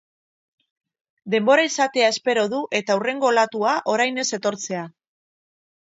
Denbora izatea espero du eta hurrengo olatua orain ez etortzea.